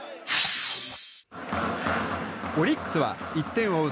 オリックスは１点を追う